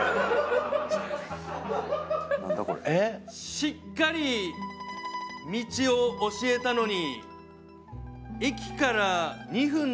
しっかり道を教えたのに。